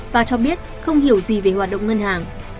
bà cho biết không hiểu gì về hoạt động ngân hàng